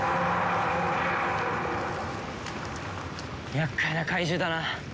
厄介な怪獣だな。